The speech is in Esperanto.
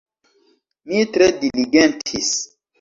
Mi tre diligentis.